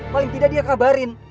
paling tidak dia kabarin